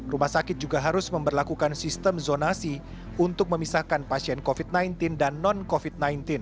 rumah sakit juga harus memperlakukan sistem zonasi untuk memisahkan pasien covid sembilan belas dan non covid sembilan belas